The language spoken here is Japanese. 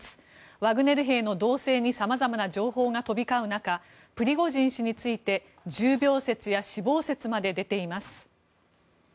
ワグネル兵の動静に様々な情報が飛び交う中プリゴジン氏について重病説や死亡説まで出ています。